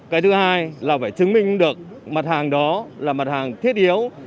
cái thứ hai là phải chứng minh được mặt hàng đó là mặt hàng thiết yếu